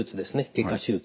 外科手術。